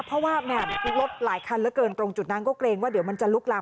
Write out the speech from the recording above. เพราะว่าแม่รถหลายคันเหลือเกินตรงจุดนั้นก็เกรงว่าเดี๋ยวมันจะลุกลาม